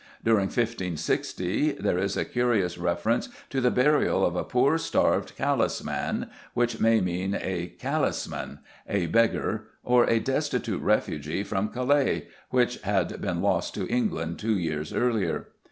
During 1560 there is a curious reference to the burial of "a poor starved Callis man" which may mean a callisman (a beggar), or a destitute refugee from Calais, which had been lost to England two years earlier.